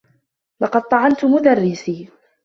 لقد طعنت مدرّسي.